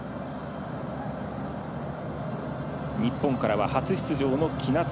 日本からは初出場の喜納翼。